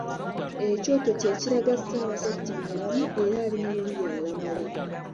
Ekyoto kye kilaga Ssaabasajja mulamu era ali mu lubiri alamula.